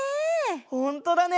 ほんとだね！